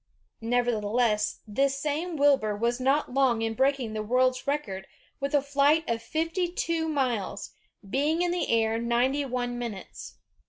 Nevertheless, this same Wilbur was not long in breaking the world's record, with a flight of fifty two miles, being in the air ninety one minutes.